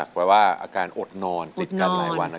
แปลว่าอาการอดนอนติดกันหลายวัน